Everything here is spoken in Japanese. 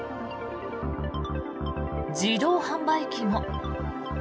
自動販売機も。